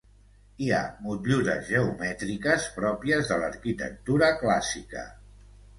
Hi ha motllures geomètriques pròpies de l'arquitectura clàssica.